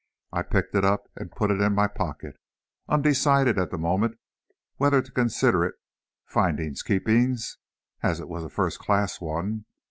I picked it up and put it in my pocket, undecided, at the moment, whether to consider it "findings keepings" (as it was a first class one!)